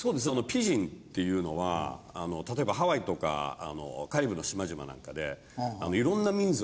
ピジンっていうのは例えばハワイとかカリブの島々なんかでいろんな民族